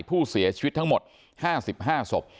ผู้เสียชีวิตทั้งหมด๕๕ศพ